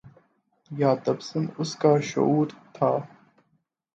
یا تبسم اُسکا شعور تھا